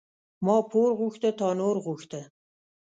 ما پور غوښته تا نور غوښته.